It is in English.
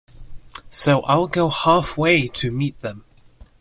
So I'll go halfway to meet them.